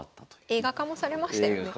映画化もされましたよね。